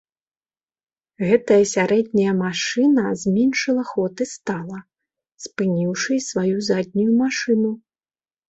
Гэтая сярэдняя машына зменшыла ход і стала, спыніўшы і сваю заднюю машыну.